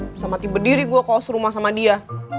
bisa mati berdiri gua kalo serumah sama dia